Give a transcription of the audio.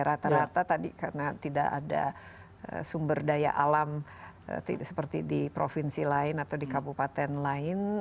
rata rata tadi karena tidak ada sumber daya alam seperti di provinsi lain atau di kabupaten lain